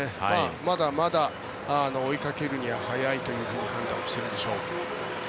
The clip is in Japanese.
まだまだ追いかけるには早いという判断をしているんでしょう。